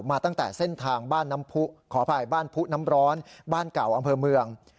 มาตั้งแต่เส้นทางบ้านน้ำผู้ขออภัยบ้านผู้น้ำร้อนบ้านเก่าอำเภอเมือง